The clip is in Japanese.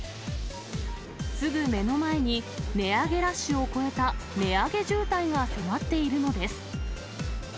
すぐ目の前に、値上げラッシュを超えた値上げ渋滞が迫っているのです。